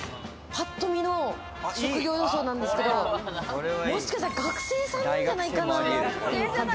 ぱっと見の職業予想なんですけれども、もしかしたら学生さんじゃないかなという感じ。